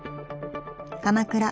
［鎌倉